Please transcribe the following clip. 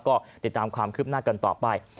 ก็ติดตามความคืบหน้ากันต่อไป